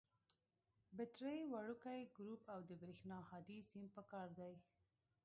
بټرۍ، وړوکی ګروپ او د برېښنا هادي سیم پکار دي.